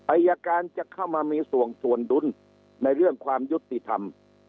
อายการจะเข้ามามีส่วนถ่วนดุลในเรื่องความยุติธรรม